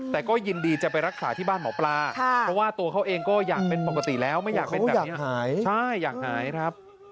แต่ก็ยินดีจะไปรักษาที่บ้านหมอปลา